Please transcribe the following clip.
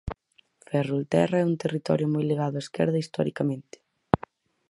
Ferrolterra é un territorio moi ligado á esquerda historicamente.